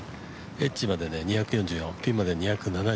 エッジまで２４４ピンまで２７１。